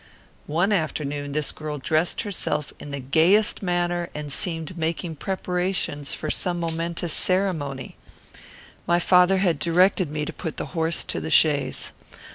One afternoon this girl dressed herself in the gayest manner and seemed making preparations for some momentous ceremony. My father had directed me to put the horse to the chaise.